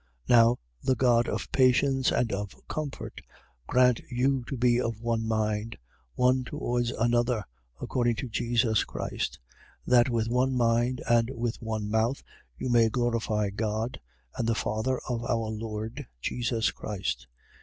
15:5. Now the God of patience and of comfort grant you to be of one mind, one towards another, according to Jesus Christ: 15:6. That with one mind and with one mouth you may glorify God and the Father of our Lord Jesus Christ.